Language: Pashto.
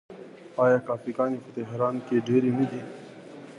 آیا کافې ګانې په تهران کې ډیرې نه دي؟